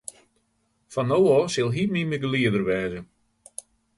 Fan no ôf sil hy myn begelieder wêze.